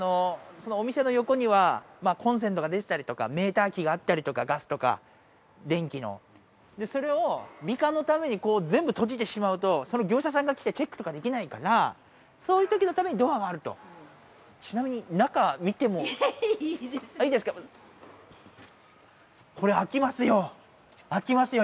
お店の横にはコンセントが出てたりとかメーター機があったりとかガスとか電気のそれを美化のためにこう全部閉じてしまうとその業者さんが来てチェックとかできないからそういう時のためにドアがあるとちなみにいいですかこれ開きますよ開きますよ